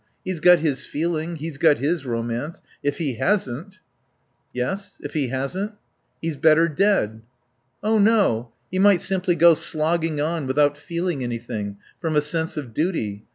He's got his feeling. He's got his romance. If he hasn't " "Yes if he hasn't?" "He's better dead." "Oh no; he might simply go slogging on without feeling anything, from a sense of duty.